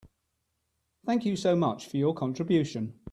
Thank you so much for your contribution.